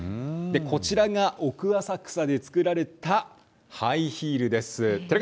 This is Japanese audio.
こちらが奥浅草で作られたハイヒールです。